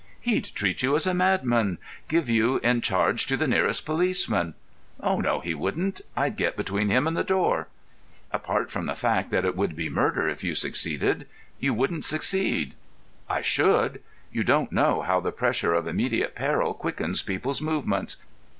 "He'd treat you as a madman—give you in charge to the nearest policeman." "Oh, no, he wouldn't. I'd get between him and the door." "Apart from the fact that it would be murder if you succeeded, you wouldn't succeed." "I should. You don't know how the pressure of immediate peril quickens people's movements.